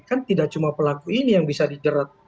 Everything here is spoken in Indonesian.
kan tidak cuma pelaku ini yang bisa dijerat